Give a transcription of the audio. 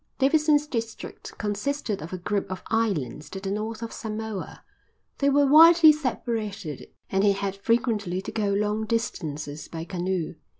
Davidson's district consisted of a group of islands to the North of Samoa; they were widely separated and he had frequently to go long distances by canoe.